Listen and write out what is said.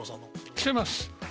してます。